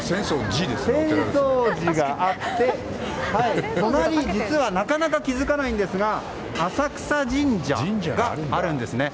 浅草寺があって隣、実はなかなか気づかないんですが浅草神社があるんですね。